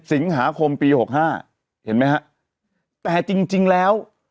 สิงหาคมปีหกห้าเห็นไหมฮะแต่จริงจริงแล้ว